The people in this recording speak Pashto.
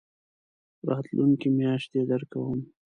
راتلونکې میاشت يي درکوم